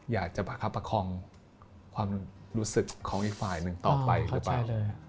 อยากจะประคับประคองความรู้สึกของอีกฝ่ายหนึ่งต่อไปหรือเปล่า